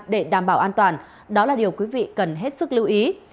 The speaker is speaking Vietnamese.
để đảm bảo an toàn đó là điều quý vị cần hết sức lưu ý